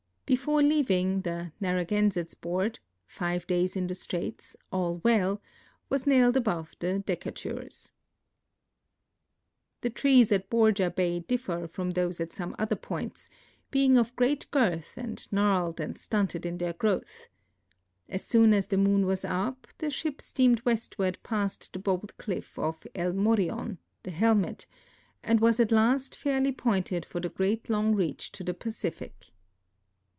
Before leaving, the X((miffnnseU''s board, " 5 days in the straits ; all well," was nailed al)ove the Dcnidn 's. The trees at Borja bay diifer from those at some other points, being of great girtii and gnarled and stunted in their growth. As soon as the moon was U]), the shif) steamed westward past the bold cliff of El Morion (the Helmet), and was at last fairly pointed for the great long reach to the Pacific.